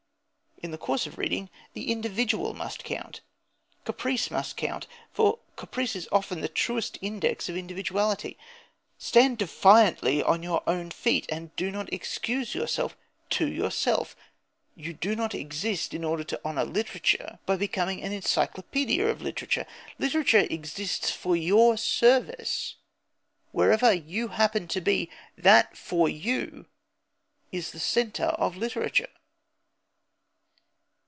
In the choice of reading the individual must count; caprice must count, for caprice is often the truest index to the individuality. Stand defiantly on your own feet, and do not excuse yourself to yourself. You do not exist in order to honour literature by becoming an encyclopædia of literature. Literature exists for your service. Wherever you happen to be, that, for you, is the centre of literature.